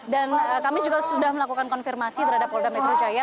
dan kami juga sudah melakukan konfirmasi terhadap polda metro jaya